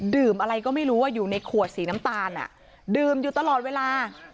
อะไรก็ไม่รู้ว่าอยู่ในขวดสีน้ำตาลดื่มอยู่ตลอดเวลา